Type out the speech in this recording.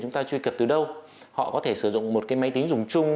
chúng ta truy cập từ đâu họ có thể sử dụng một cái máy tính dùng chung